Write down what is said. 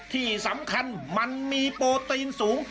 ที่สำคัญมันมีโปรตีนสูง